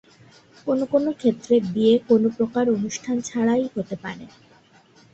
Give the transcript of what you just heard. কোনো কোনো ক্ষেত্রে বিয়ে কোনো প্রকার অনুষ্ঠান ছাড়াই হতে পারে।